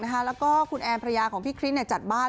แล้วก็คุณแอนภรรยาของพี่คริสจัดบ้าน